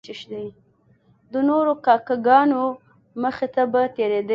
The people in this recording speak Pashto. د نورو کاکه ګانو مخې ته به تیریدی.